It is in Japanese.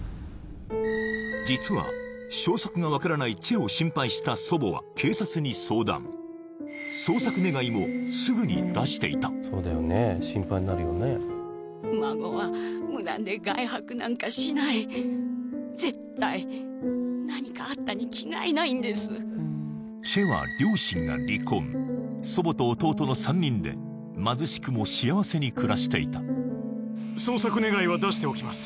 実は消息が分からないチェを心配した祖母は警察に相談捜索願いもすぐに出していた孫は無断で外泊なんかしない絶対何かあったに違いないんですチェは両親が離婚貧しくも幸せに暮らしていた捜索願いは出しておきます